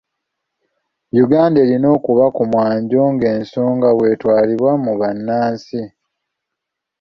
Uganda erina kuba ku mwanjo nga ensonga bw'etwalibwa mu bannansi.